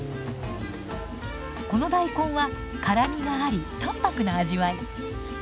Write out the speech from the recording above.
この大根は辛みがあり淡白な味わい。